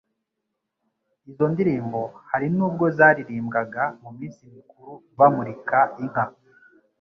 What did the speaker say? Izo ndirimbo hari n'ubwo zaririmbwaga mu minsi mikuru bamurika inka